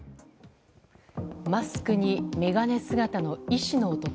マスクに眼鏡姿の医師の男。